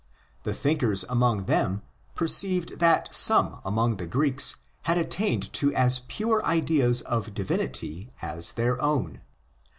The thinkers among them per ceived that some among the Greeks had attained to as pure ideas of divinity as theirown.